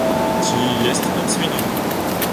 Ці есці нам свініну?